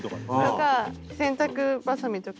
それか洗濯ばさみとか。